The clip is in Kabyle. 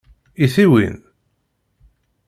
I tiwin?